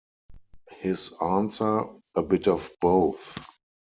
His answer: "a bit of both".